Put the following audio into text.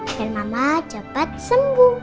dan mama cepat sembuh